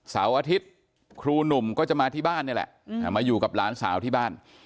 เสาร์อาทิตย์ครูหนุ่มก็จะมาที่บ้านนี่แหละมาอยู่กับหลานสาวที่บ้าน